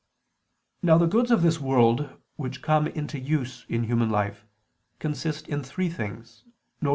Now the goods of this world which come into use in human life, consist in three things: viz.